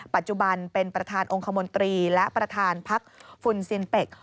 ปัจจุบันเป็นประธานองคมนตรีและประธานพักฟุนซินเป็ก